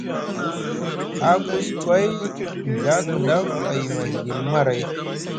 Haa koskoy nɵa kdaf a yima hiɗil maray.